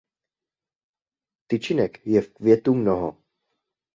Tyčinek je v květu mnoho.